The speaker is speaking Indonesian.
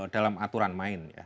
dalam aturan main